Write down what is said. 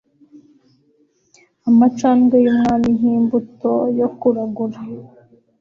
amacandwe yumwami nkimbuto yo kuragura